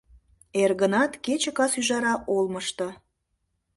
Эр гынат, кече кас ӱжара олмышто.